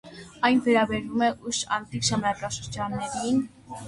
Այն վերաբերում է ուշ անտիկ ժամանակաշրջաններին։